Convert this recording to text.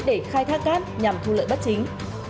để khai thác cát nhằm thu lợi bắt chính